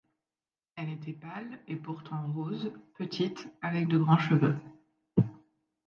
Elle était pâle, et pourtant rose, Petite avec de grands cheveux.